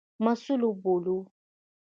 مسوول وبولو.